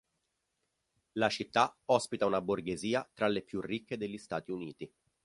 La città ospita una borghesia tra le più ricche degli Stati Uniti.